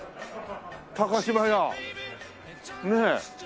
島屋ねえ。